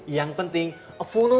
yang penting funus